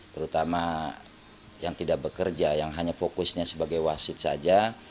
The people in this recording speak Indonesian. terutama yang tidak bekerja yang hanya fokusnya sebagai wasit saja